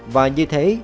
và như thế